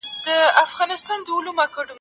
وربه یې سي مرګ په ځان ګوره چي لا څه کیږي